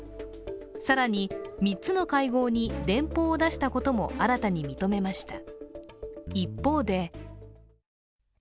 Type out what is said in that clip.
更に、３つの会合に電報を出したことも新たに認めました。